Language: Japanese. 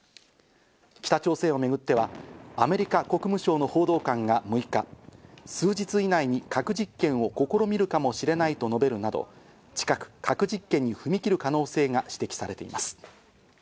北朝鮮をめぐってはアメリカ国務省の報道官が６日、数日以内に核実験を試みるかもしれないと述べるなど、近く核実験に踏み切る可能性が指摘されています。